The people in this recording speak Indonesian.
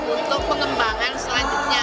untuk pengembangan selanjutnya